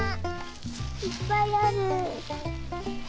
いっぱいある。